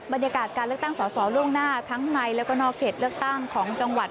บรรยากาศการเลือกตั้งสอสอล่วงหน้าทั้งในแล้วก็นอกเขตเลือกตั้งของจังหวัด